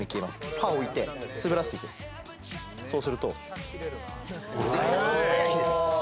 刃を置いて滑らせていくそうするとこれで切れてます・